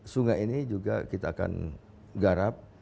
sungai ini juga kita akan garap